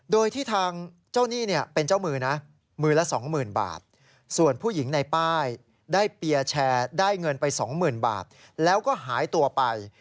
โดยที่ทางเจ้าหนี้เนี่ยเป็นเจ้ามือนะมือละ๒๐๐๐บาทส่วนผู้หญิงในป้ายได้เปียร์แชร์ได้เงินไป๒๐๐๐บาทแล้วก็หายตัวไป